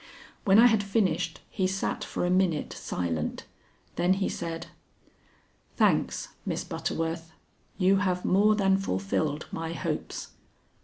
When I had finished, he sat for a minute silent; then he said: "Thanks, Miss Butterworth; you have more than fulfilled my hopes.